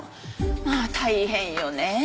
まあ大変よねえ。